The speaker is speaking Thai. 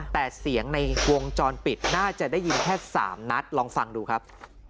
แต่เสียงในวงจรปิดน่าจะได้ยินแค่๓นัดลองฟังดูครับ